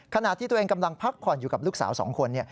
ขณะที่ตัวเองกำลังพักผ่อนอยู่กับลูกสาว๒คน